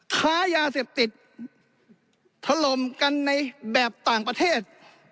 ค้ายาเสพติดถล่มกันในแบบต่างประเทศ